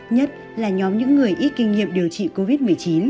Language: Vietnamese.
nhất là nhóm những người ít kinh nghiệm điều trị covid một mươi chín